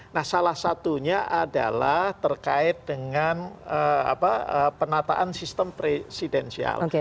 nah salah satunya adalah terkait dengan penataan sistem presidensial